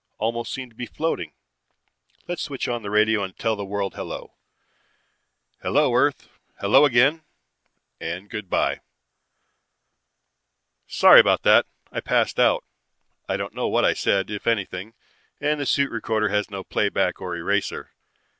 Almost seem to be floating. Let's switch on the radio and tell the world hello. Hello, earth ... hello, again ... and good by ... "Sorry about that. I passed out. I don't know what I said, if anything, and the suit recorder has no playback or eraser.